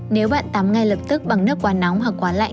nếu bạn tắm ngay lập tức bằng nước quá nóng hoặc quán lạnh